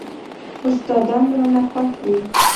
استادان رانه خوښ وو.